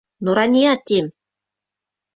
Нурания, тим!